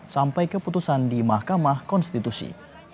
sampai keputusan di mahkamah konstitusi